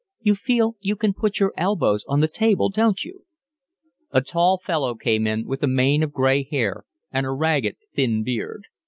"You feel you can put your elbows on the table, don't you?" A tall fellow came in, with a mane of gray hair and a ragged thin beard.